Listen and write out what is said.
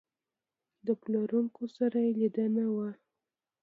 د پلورونکو سره یې لیدلي وو.